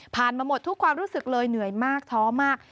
มาหมดทุกความรู้สึกเลยเหนื่อยมากท้อมาก